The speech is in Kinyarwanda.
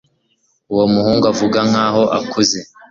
Uwo muhungu avuga nkaho akuze